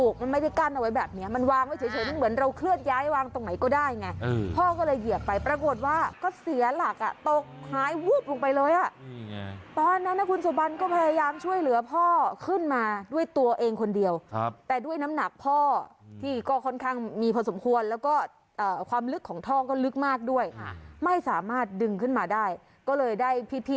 คนละเมืองดีนะหลายคนมาช่วยกันนะครับ